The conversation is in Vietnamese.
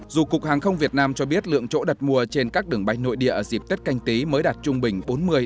dù cục hàng không việt nam cho biết lượng chỗ đặt mùa trên các đường bay nội địa ở dịp tết canh tí mới đạt trung bình bốn mươi bốn mươi năm